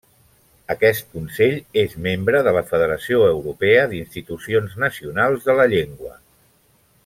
Aquest Consell és membre de la Federació Europea d'Institucions Nacionals de la Llengua.